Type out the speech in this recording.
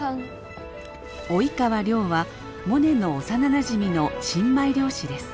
及川亮はモネの幼なじみの新米漁師です。